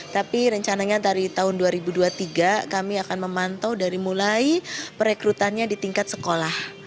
tapi rencananya dari tahun dua ribu dua puluh tiga kami akan memantau dari mulai perekrutannya di tingkat sekolah